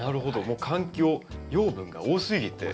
もう環境養分が多すぎて。